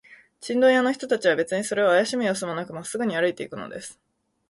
チンドン屋の人たちは、べつにそれをあやしむようすもなく、まっすぐに歩いていくのです。